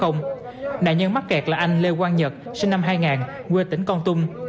nạn nhân mắc kẹt là anh lê quang nhật sinh năm hai nghìn quê tỉnh con tum